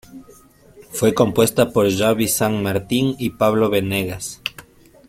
Fue compuesta por Xabi San Martín y Pablo Benegas.